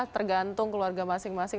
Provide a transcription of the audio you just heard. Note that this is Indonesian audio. tergantung keluarga masing masing